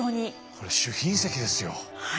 これ主賓席ですよ。